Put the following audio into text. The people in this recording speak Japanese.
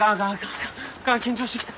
あかん緊張してきた。